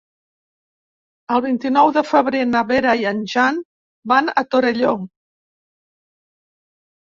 El vint-i-nou de febrer na Vera i en Jan van a Torelló.